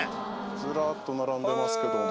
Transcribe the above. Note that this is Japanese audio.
ずらっと並んでますけども。